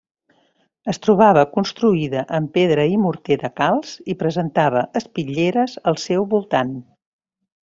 Es trobava construïda en pedra i morter de calç i presentava espitlleres al seu voltant.